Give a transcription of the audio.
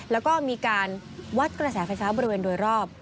แล้วก็มีการวัดกระแสไฟฟ้าบริเวณโดยรอบ